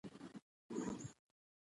زده کړه نجونو ته د لمانځه طریقه ور زده کوي.